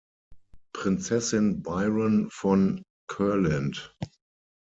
Prinzessin Biron von Curland.